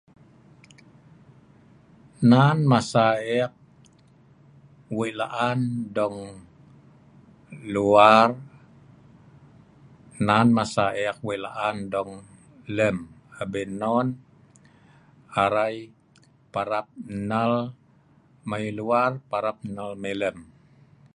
Nan masa eek wei laan dong luar nan masa eek wei laan dong lem. Abien non, arai parap nnal mai luar parap nnal mai lem